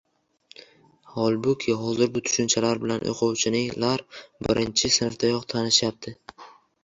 Holbuki, hozir bu tushunchalar bilan o‘quvchilar birinchi sinfdayoq tanishyapti.